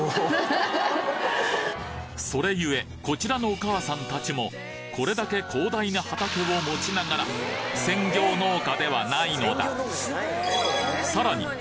それゆえこちらのお母さん達もこれだけ広大な畑を持ちながら専業農家ではないのださらに